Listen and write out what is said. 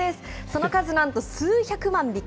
その数なんと数百万匹。